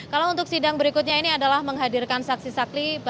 kalau untuk sidang berikutnya ini adalah menghadirkan saksi saksi